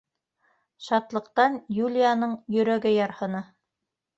Шатлыҡтан Юлияның йөрәге ярһыны.